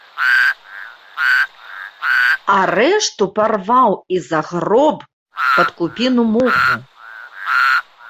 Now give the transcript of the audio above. А рэшту парваў і загроб пад купіну моху.